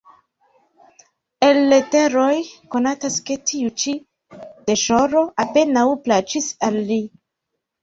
El leteroj konatas ke tiu ĉi deĵoro apenaŭ plaĉis al li.